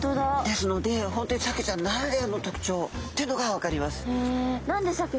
ですので本当にサケちゃんならではの特徴というのが分かります。